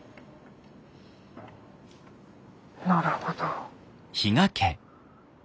なるほど。